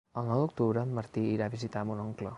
El nou d'octubre en Martí irà a visitar mon oncle.